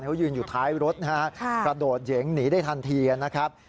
เขายืนอยู่ท้ายรถนะฮะกระโดดเหยิงหนีได้ทันทีนะครับ